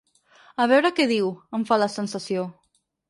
A veure què diu, em fa la sensació.